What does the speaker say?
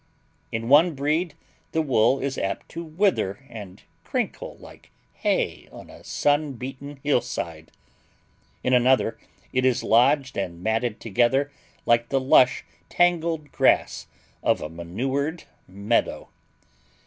In one breed the wool is apt to wither and crinkle like hay on a sun beaten hillside. In another, it is lodged and matted together like the lush tangled grass of a manured meadow.